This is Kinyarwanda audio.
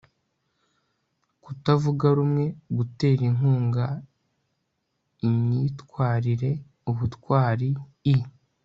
kutavuga rumwe gutera inkunga imyitwarireubutwari i